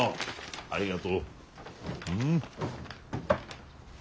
ありがとう。